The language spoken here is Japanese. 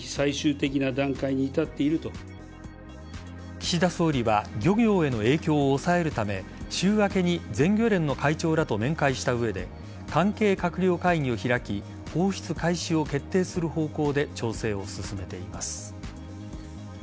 岸田総理は漁業への影響を抑えるため週明けに全漁連の会長らと面会した上で関係閣僚会議を開き放出開始を決定する方向で調整を進めています。